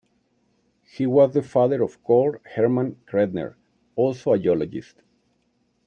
He was the father of Carl Hermann Credner, also a geologist.